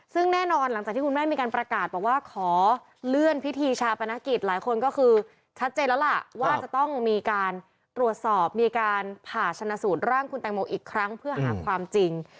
ซึ่งแน่นอนหลังจากที่คุณแม่มีการประกาศบอกว่าขอเลื่อนพิธีชาปนกิจหลายคนก็คือชัดเจนแล้วล่ะว่าจะต้องมีการตรวจสอบมีการผ่าชนะสูตรร่างคุณแตงโมอีกครั้งเพื่อหาความจริง